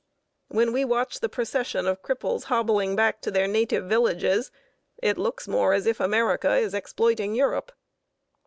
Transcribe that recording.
When we watch the procession of cripples hobbling back to their native villages, it looks more as if America is exploiting Europe.